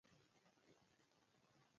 آیا باغونه به میوه ورکړي؟